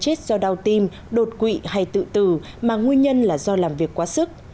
chết do đau tim đột quỵ hay tự tử mà nguyên nhân là do làm việc quá sức